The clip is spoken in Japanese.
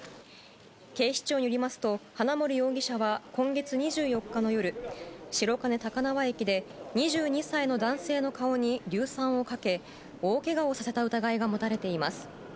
警視庁によりますと花森容疑者は今月２４日の夜、白金高輪駅で２２歳の男性の顔に硫酸をかけ大けがをさせた疑いが持たれています。